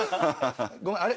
ごめんあれ？